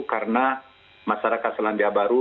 karena masyarakat selandia baru